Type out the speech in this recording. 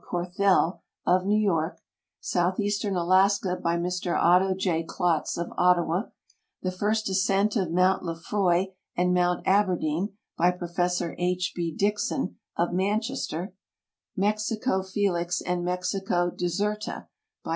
Corthell, of New York ; South eastern Alaska, by Mr Otto J. Klotz, of Ottawa ; The First Ascent of Mt. Lefroy and Mt. Aberdeen, by Prof. II. B. Dixon, of Man chester; Mexico Felix and Mexico Deserta, by MrO. II.